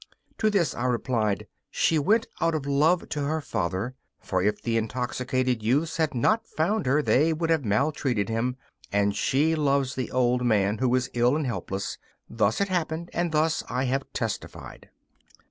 To this I replied: 'She went out of love to her father, for if the intoxicated youths had not found her they would have maltreated him and she loves the old man, who is ill and helpless. Thus it happened, and thus I have testified.